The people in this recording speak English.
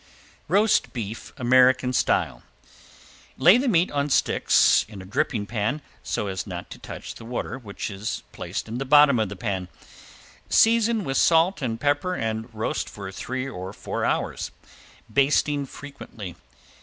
~ROAST BEEF, AMERICAN STYLE~ Lay the meat on sticks in a dripping pan, so as not to touch the water which is placed in the bottom of the pan. Season with salt and pepper and roast for three or four hours, basting frequently.